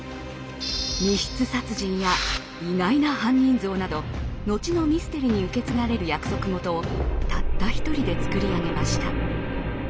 密室殺人や意外な犯人像など後のミステリに受け継がれる約束事をたった一人で創り上げました。